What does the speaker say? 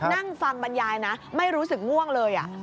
นั่งฟังบรรยายนะไม่รู้สึกง่วงเลย